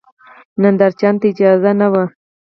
نندارچیانو ته اجازه نه وه.